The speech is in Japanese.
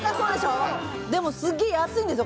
でもすげえ安いんですよ